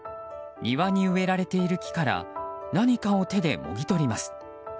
庭に植えられている木から何かを手で、もぎ取ります。